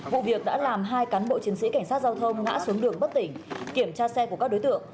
vụ việc đã làm hai cán bộ chiến sĩ cảnh sát giao thông ngã xuống đường bất tỉnh kiểm tra xe của các đối tượng